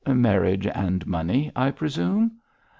'Marriage and money, I presume.'